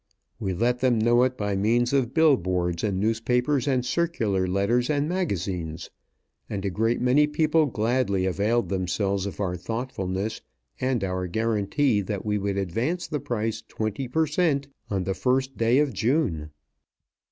We let them know it by means of bill boards and newspapers and circular letters and magazines; and a great many people gladly availed themselves of our thoughtfulness and our guarantee that we would advance the price twenty per cent, on the first day of June.